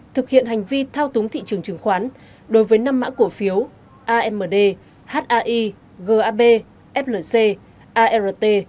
thực hiện hành vi thao túng thị trường chứng khoán đối với năm mã cổ phiếu amd hai gab flc art